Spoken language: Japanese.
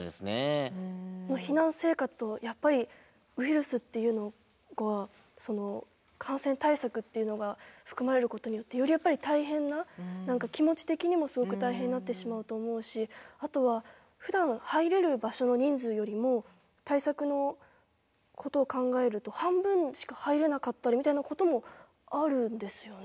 避難生活とやっぱりウイルスっていうのが感染対策っていうのが含まれることによってよりやっぱり大変な気持ち的にもすごく大変になってしまうと思うしあとはふだん入れる場所の人数よりも対策のことを考えると半分しか入れなかったりみたいなこともあるんですよね。